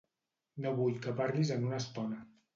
No vull que parlis en una estona.